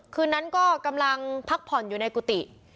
คืนนั้นก็กำลังพักผ่อนอยู่ในกุฏิ